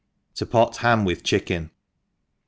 Tq pot Ham wtb Chickens.